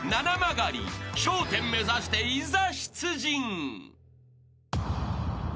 １０目指していざ出陣］